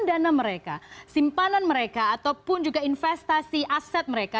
dana mereka simpanan mereka ataupun juga investasi aset mereka